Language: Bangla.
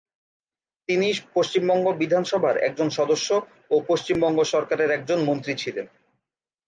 তিনি পশ্চিমবঙ্গ বিধানসভার একজন সদস্য ও পশ্চিমবঙ্গ সরকারের একজন মন্ত্রী ছিলেন।